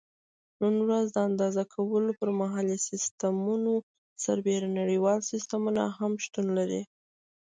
نن ورځ د اندازه کولو پر محلي سیسټمونو سربیره نړیوال سیسټمونه هم شتون لري.